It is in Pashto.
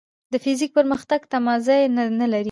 د فزیک پرمختګ تمځای نه لري.